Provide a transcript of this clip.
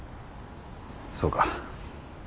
そうか。